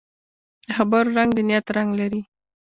د خبرو رنګ د نیت رنګ لري